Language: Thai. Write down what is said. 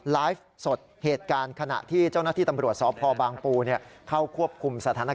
ไลฟ์สดเหตุการณ์ขณะที่เจ้าหน้าที่ตำรวจศพบางปู